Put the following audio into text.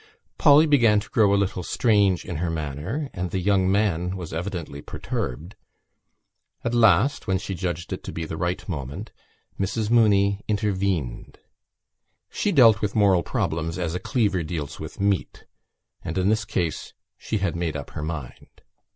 Polly began to grow a little strange in her manner and the young man was evidently perturbed. At last, when she judged it to be the right moment, Mrs Mooney intervened. She dealt with moral problems as a cleaver deals with meat: and in this case she had made up her mind.